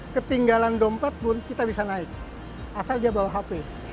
ketinggalan dompet pun kita bisa naik asal dia bawa hp